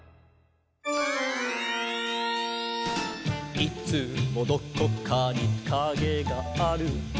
「いつもどこかにカゲがある」